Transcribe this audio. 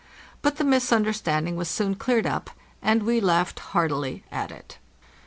But the misunderstanding was soon cleared up, and we laughed heartily at it.